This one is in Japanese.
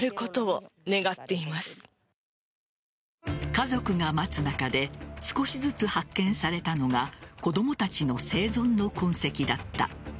家族が待つ中で少しずつ発見されたのが子供たちの生存の痕跡だった。